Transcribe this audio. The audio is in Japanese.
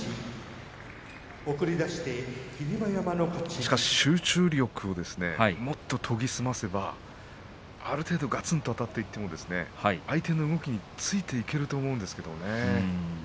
しかし集中力をもっと研ぎ澄ませばある程度がつんと立っていても相手の動きについていけると思うんですけれど。